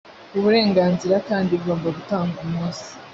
uburenganzira kandi igomba gutanga umunsi